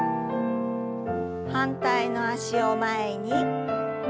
反対の脚を前に。